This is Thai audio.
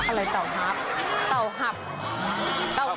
อะไรเต่าฮับเต่าหับเต่าฮับ